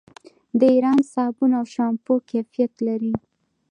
د ایران صابون او شامپو کیفیت لري.